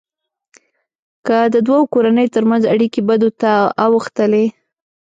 که د دوو کورنيو ترمنځ اړیکې بدو ته اوښتلې.